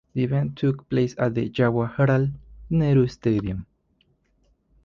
The event took place at the Jawaharlal Nehru Stadium.